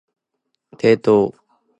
提灯